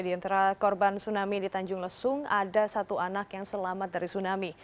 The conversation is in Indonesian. di antara korban tsunami di tanjung lesung ada satu anak yang selamat dari tsunami